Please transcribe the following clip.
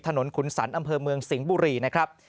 ขุนสรรอำเภอเมืองสิงห์บุรีนะครับ